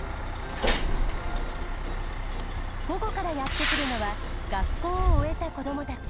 午後からやって来るのは学校を終えた子どもたち。